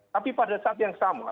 tapi pada saat yang sama